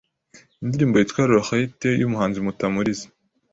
indirimbo yitwa Laurette y’umuhanzi Mutamuriza